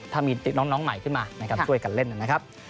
ถ้ามีน้องใหม่ขึ้นมานะครับช่วยกันเล่นนะครับ